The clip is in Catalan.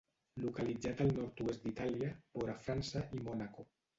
Localitzat al nord-oest d’Itàlia, vora França i Mònaco.